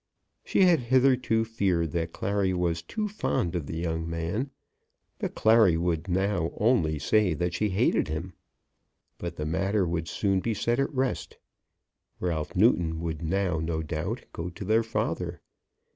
She had hitherto feared that Clary was too fond of the young man, but Clary would now only say that she hated him. But the matter would soon be set at rest. Ralph Newton would now, no doubt, go to their father.